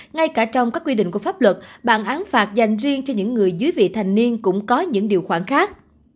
ngay cả trong các quy định của pháp luật bản án phạt dành riêng cho những người dưới vị thành niên cũng có những điều khoản khác